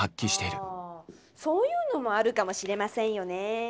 そぉーゆーのもあるかもしれませんよねェー。